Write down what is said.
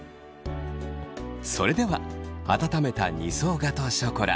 それでは温めた２層ガトーショコラ。